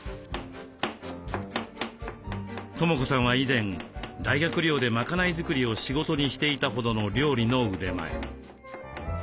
知子さんは以前大学寮で賄い作りを仕事にしていたほどの料理の腕前。